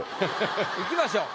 いきましょう。